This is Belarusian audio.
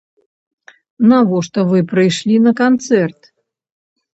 Навошта вы прыйшлі на канцэрт?